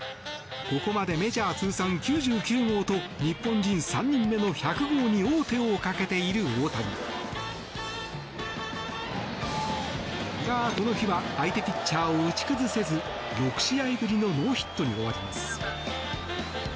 ここまでメジャー通算９９号と日本人３人目の１００号に王手をかけている大谷。が、この日は相手ピッチャーを打ち崩せず６試合ぶりのノーヒットに終わります。